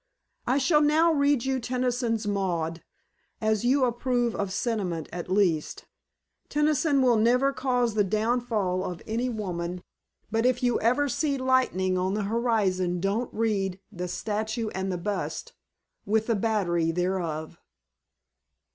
"I shall now read you Tennyson's 'Maud,' as you approve of sentiment, at least. Tennyson will never cause the downfall of any woman, but if you ever see lightning on the horizon don't read 'The Statue and the Bust' with the battery therof."